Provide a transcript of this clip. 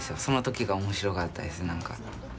その時が面白かったです。